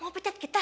mau pecat kita